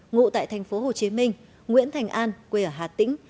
ngụ tại thành phố hồ chí minh nguyễn thành an quê ở hà tĩnh